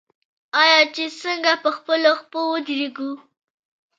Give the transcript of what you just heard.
آیا چې څنګه په خپلو پښو ودریږو؟